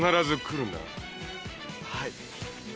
はい。